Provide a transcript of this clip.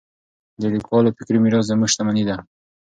د لیکوالو فکري میراث زموږ شتمني ده.